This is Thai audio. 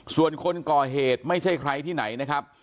ส่วนคนก่อเหตุไม่ใช่ใครที่ไหนนะครับ